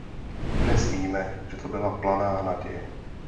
Dnes víme, že to byla planá naděje.